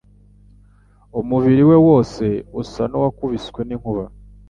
Umubili we wose usa n'uwakubiswe n'inkuba!